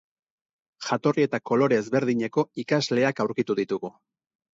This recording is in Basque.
Jatorri eta kolore ezberdineko ikasleak aurkitu ditugu.